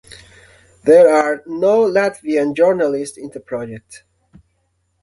There are no Latvian journalists in the project.